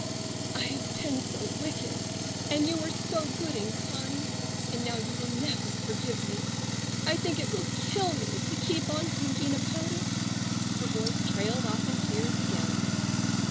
"I have been so wicked—and you were so good and kind—and now you will never forgive me—I think it will kill me to keep on thinking about it—" her voice trailed off in tears again.